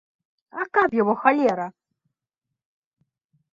А каб яго халера.